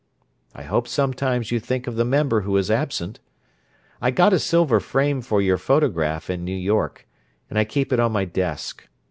I hope sometimes you think of the member who is absent. I got a silver frame for your photograph in New York, and I keep it on my desk.